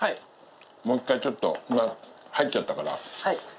もう一回ちょっと、入っちゃったから。